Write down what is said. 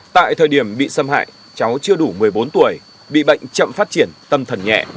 tại thời điểm bị xâm hại cháu chưa đủ một mươi bốn tuổi bị bệnh chậm phát triển tâm thần nhẹ